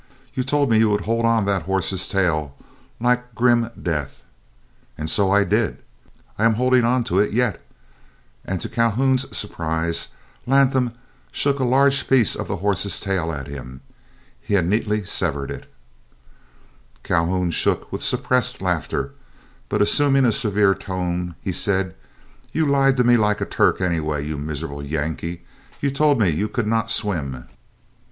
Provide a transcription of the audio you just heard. You told me you would hold on that horse's tail like grim death." "And so I did. I am holding on to it yet," and to Calhoun's surprise Latham shook a large piece of the horse's tail at him. He had neatly severed it. Calhoun shook with suppressed laughter, but assuming a severe tone, he said: "You lied to me like a Turk, anyway, you miserable Yankee; you told me you could not swim."